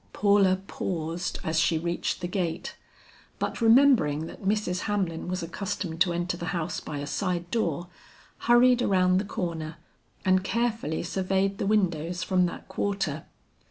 Paula paused as she reached the gate; but remembering that Mrs. Hamlin was accustomed to enter the house by a side door, hurried around the corner and carefully surveyed the windows from that quarter.